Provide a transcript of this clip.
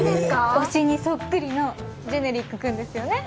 推しにそっくりのジェネリックくんですよね